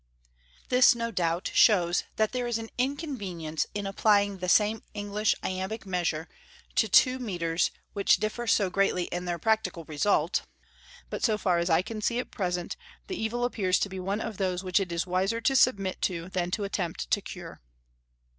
This, no doubt, shows that there is an inconvenience in applying the same English iambic measure to two metres which differ so greatly in their practical result; but so far as I can see at present, the evil appears to be one of those which it is wiser to submit to than to attempt to cure.